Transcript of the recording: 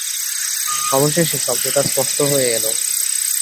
অবশেষে শব্দটা স্পষ্ট হয়ে এল।